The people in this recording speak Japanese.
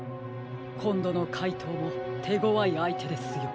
こんどのかいとうもてごわいあいてですよ。